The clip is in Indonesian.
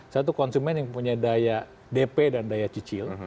satu konsumen yang punya daya dp dan daya cicil